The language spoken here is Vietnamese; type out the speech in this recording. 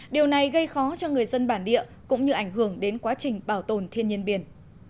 điều này gây khó cho người dân bản địa cũng như ảnh hưởng đến quá trình bảo tồn thiên nhiên biển